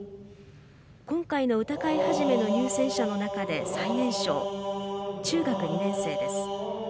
今回の歌会始の入選者の中で最年少、中学２年生です。